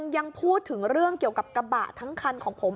ยังพูดถึงเรื่องเกี่ยวกับกระบะทั้งคันของผม